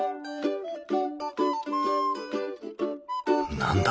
何だ？